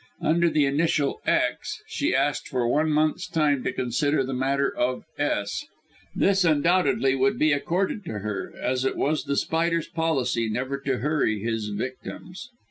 Under the initial "X," she asked for one month's time to consider the matter of "S." This undoubtedly would be accorded to her, as it was The Spider's policy never to hurry his victims.